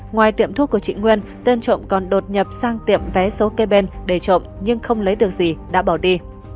ngoài tiệm thuốc của chị nguyên tên trộm còn đột nhập sang tiệm vé số cây bên để trộm nhưng không lấy được gì đã bỏ đi